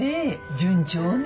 順調ね？